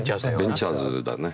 ベンチャーズだね。